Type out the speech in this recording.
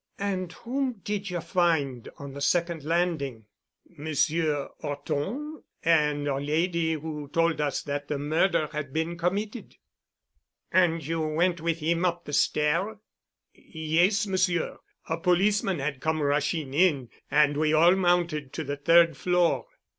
"And whom did you find on the second landing?" "Monsieur 'Orton and a lady who told us that a murder had been committed." "And you went with him up the stair?" "Yes, Monsieur. A policeman had come rushing in, and we all mounted to the third floor."